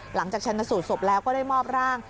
หลังจากชันสุสบแล้วก็ได้มอบร่าง